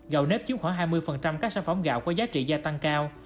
gạo nếp chiếm khoảng hai mươi các sản phẩm gạo có giá trị gia tăng cao